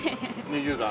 ２０代？